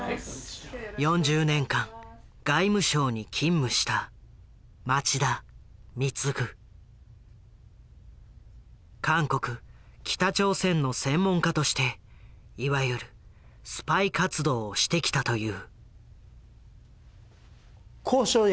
４０年間外務省に勤務した韓国北朝鮮の専門家としていわゆる「スパイ活動」をしてきたという。